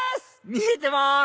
見えてます！